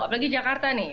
apalagi jakarta nih